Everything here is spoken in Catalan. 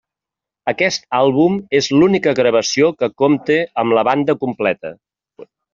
Aquest àlbum és l'única gravació que compte amb la banda completa.